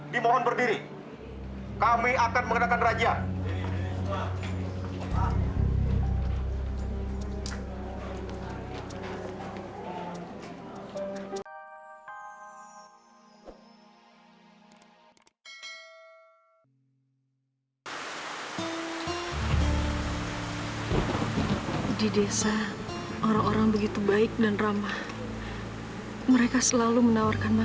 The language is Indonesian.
sampai jumpa di video selanjutnya